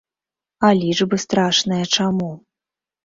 А лічбы страшныя чаму?